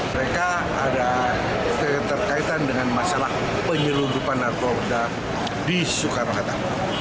mereka ada keterkaitan dengan masalah penyelundupan narkoba di soekarno hatta